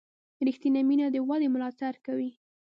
ریښتینې مینه د ودې ملاتړ کوي.